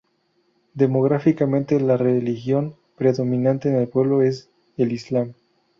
Demográficamente, la religión predominante en el pueblo es el Islam.